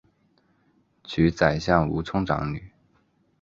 娶宰相吴充长女。